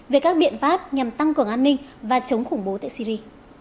về các biện pháp nhằm tăng cường an ninh và chống khủng bố tại syri